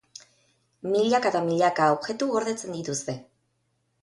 Milaka eta milaka objektu gordetzen dituzte.